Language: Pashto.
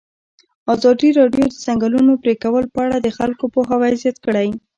ازادي راډیو د د ځنګلونو پرېکول په اړه د خلکو پوهاوی زیات کړی.